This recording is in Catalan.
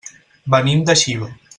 Venim de Xiva.